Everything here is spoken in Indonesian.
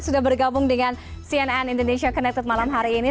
sudah bergabung dengan cnn indonesia connected malam hari ini